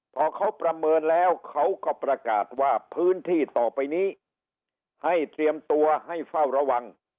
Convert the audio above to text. พอเขาประเมินแล้วเขาก็ประกาศว่าพื้นที่ต่อไปนี้ให้เตรียมตัวให้เฝ้าระวัง